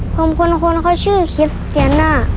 ผมคนเขาชื่อคิสเตียน่า